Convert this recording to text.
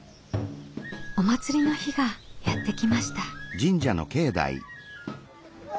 お祭りの日がやって来ました。